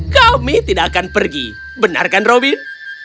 kami tidak akan pergi benar kan robin